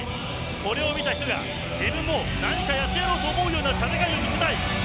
これを見た人が、自分も何かやってみると思うような戦いを見せたい。